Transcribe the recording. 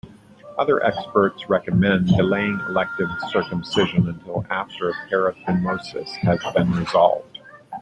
Other experts recommend delaying elective circumcision until after paraphimosis has been resolved.